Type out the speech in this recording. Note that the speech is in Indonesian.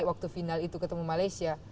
waktu final itu ketemu malaysia